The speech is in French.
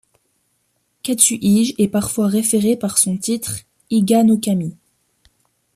Katsuhige est parfois référé par son titre, Iga-no kami.